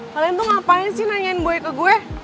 kalian tuh ngapain sih nanyain buaya ke gue